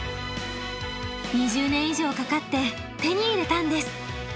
２０年以上かかって手に入れたんです。